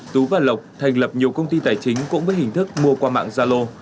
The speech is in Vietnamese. tú và lộc thành lập nhiều công ty tài chính cũng với hình thức mua qua mạng gia lô